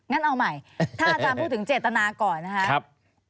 งั้นเอาใหม่ถ้าอาจารย์พูดถึงเจตนาก่อนนะครับ